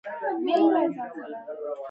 ژبه د وینا ښکلا ده.